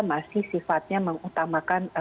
masih sifatnya mengutamakan